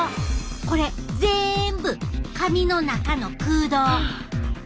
これぜんぶ髪の中の空洞！